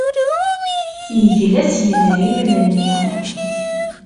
Yegla s yidrimen-nni.